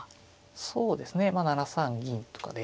そうですねまあ７三銀とかで。